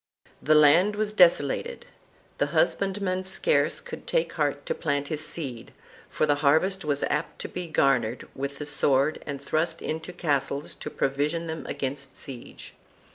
The land was desolated; the husband man scarce could take heart to plant his seed, for the harvest was apt to be garnered with the sword and thrust into castles to provision them against siege.